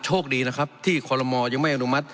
โชคดีนะครับที่คอลโลมอลยังไม่อนุมัติ